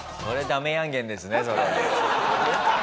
それダメヤンゲンですね。